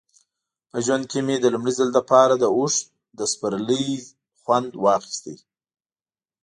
په ژوند کې مې د لومړي ځل لپاره د اوښ له سپرلۍ خوند واخیست.